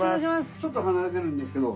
ちょっと離れてるんですけど。